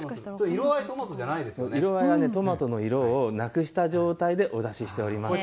色合いはトマトの色をなくした状態でお出ししております。